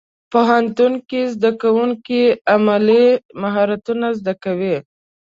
پوهنتون کې زدهکوونکي عملي مهارتونه زده کوي.